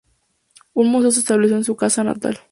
Un museo se estableció en su casa natal.